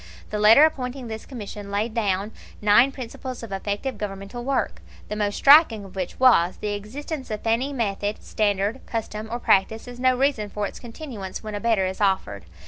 The letter appointing this Commission laid down nine principles of effective Governmental work, the most striking of which was: "The existence of any method, standard, custom, or practice is no reason for its continuance when a better is offered."